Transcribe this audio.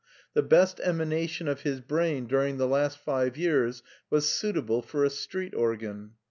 The best emanation of his brain during the last five years was suitable for a street organ.